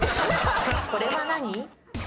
これは何？